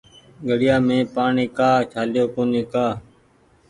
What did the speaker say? گھڙيآ مين پآڻيٚ ڪآ ڇآليو ڪونيٚ ڪآ